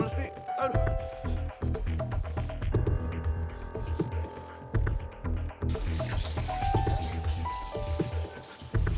muka lo kenapa sih